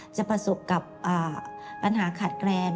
จะประสบกับปัญหาขาดแคลน